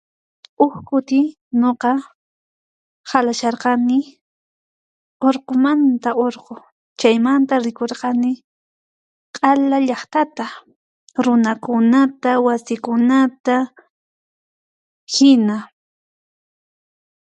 uq kuti, nuqa halashiarqani rqumanta urqu. Chaymanta rikurqani q'ala llaqtata, runakunata, wasikunata, china.